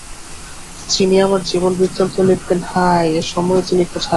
যিনি আমার জীবনবৃত্তান্ত লিখবেন, হায়, এ সময়ে তিনি কোথায়?